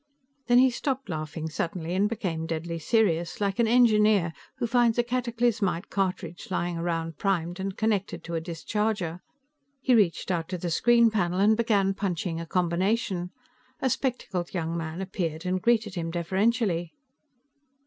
Then he stopped laughing suddenly and became deadly serious, like an engineer who finds a cataclysmite cartridge lying around primed and connected to a discharger. He reached out to the screen panel and began punching a combination. A spectacled young man appeared and greeted him deferentially.